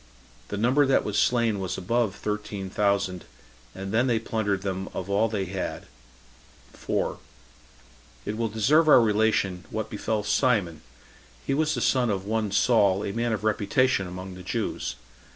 The number that was slain was above thirteen thousand, and then they plundered them of all that they had. 4. It will deserve our relation what befell Simon; he was the son of one Saul, a man of reputation among the Jews.